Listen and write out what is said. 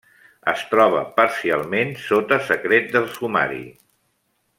Es troba parcialment sota secret del sumari.